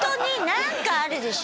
何かあるでしょ？